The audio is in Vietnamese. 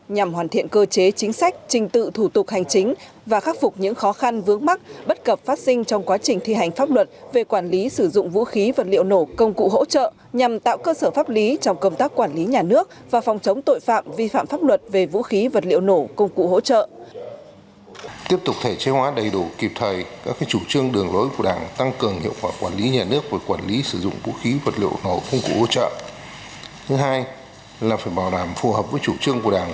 nhằm hoàn thiện cơ chế chính sách trình tự thủ tục hành chính và khắc phục những khó khăn vướng mắt bất cập phát sinh trong quá trình thi hành pháp luật về quản lý sử dụng vũ khí vật liệu nổ công cụ hỗ trợ nhằm tạo cơ sở pháp lý trong công tác quản lý nhà nước và phòng chống tội phạm vi phạm pháp luật về vũ khí vật liệu nổ công cụ hỗ trợ